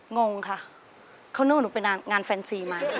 งงค่ะเขานึกว่าหนูไปงานแฟนซีมา